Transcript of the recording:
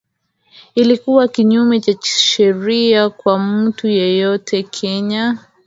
ilikuwa kinyume cha sheria kwa mtu yeyote Kenya